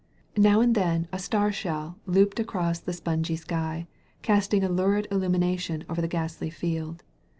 Now and then a star shell looped across the spongy sky, casting a lurid illumination over the ghastly field.